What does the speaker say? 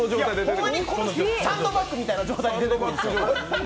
ほんまにこのサンドバッグのような状態で出てくるんですよ。